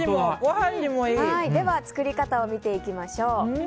では作り方を見ていきましょう。